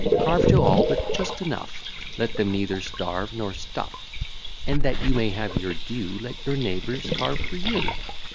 Carve to all but just enough: Let them neither starve nor stuff: And, that you may have your due, Let your neighbours carve for you.